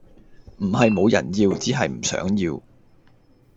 唔係無人要，只係唔想要